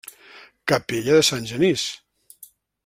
Capella de Sant Genís.